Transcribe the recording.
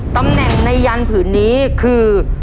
ตำแหน่งในยันผืนนี้คือ